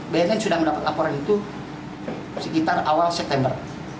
bnn sudah mendapat laporan itu sekitar awal september